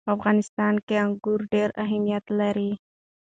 په افغانستان کې انګور ډېر اهمیت لري.